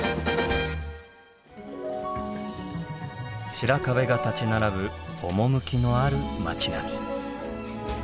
白壁が立ち並ぶ趣のある町並み。